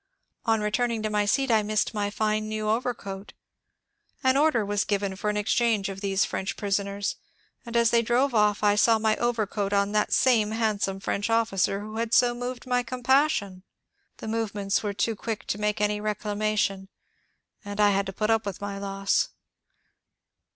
On returning to my seat I missed my fine new overcoat. An order was given for an exchange of these French prisoners, and as they drove off I saw my overcoat on that same handsome French officer who had so moved my compassion! The movements were too quick to make any reclamation, and I had to put up with my loss.